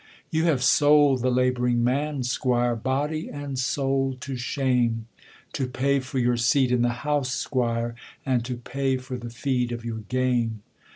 'You have sold the labouring man, squire, Body and soul to shame, To pay for your seat in the House, squire, And to pay for the feed of your game.